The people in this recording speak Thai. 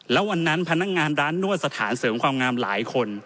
แล้ววันนั้นพนักงานร้านนวดสถานเสริมความงามหลายคน